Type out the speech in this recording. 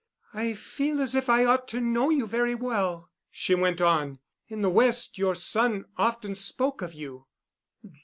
"I feel as if I ought to know you very well," she went on. "In the West your son often spoke of you."